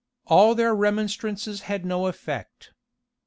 All their remonstrances had no effect.